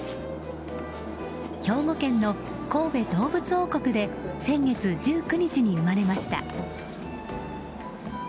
兵庫県の神戸どうぶつ王国で先月１９日に生まれました。